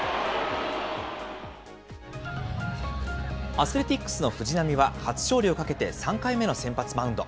アスレティックスの藤浪は、初勝利をかけて３回目の先発マウンド。